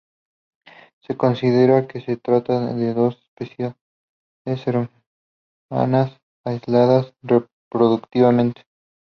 Se considera que se trata de dos especies hermanas aisladas reproductivamente.